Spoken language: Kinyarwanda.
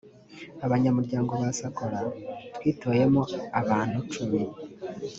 abanyamuryango ba sacola twitoyemo abantu cumi